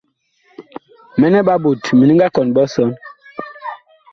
Mɛnɛ ɓa ɓot mini nga kɔn ɓe ɔsɔn.